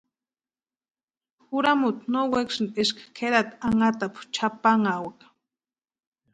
Juramuti no wekasïnti eska kʼerati anhatapu chʼapanhawaka.